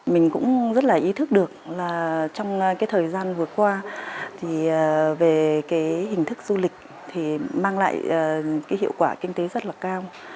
mình cũng rất là ý thức được trong thời gian vừa qua về hình thức du lịch mang lại hiệu quả kinh tế rất là cao